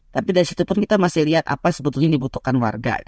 tapi dari situ pun kita masih lihat apa sebetulnya yang dibutuhkan warga